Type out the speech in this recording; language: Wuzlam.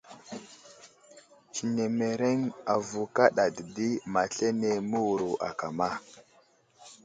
Tsenemereŋ avo kaɗa dedi ma aslane məwuro akama.